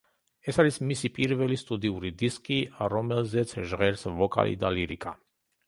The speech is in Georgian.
ეს არის მისი პირველი სტუდიური დისკი, რომელზეც ჟღერს ვოკალი და ლირიკა.